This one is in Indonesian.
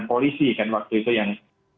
polisi kan waktu itu yang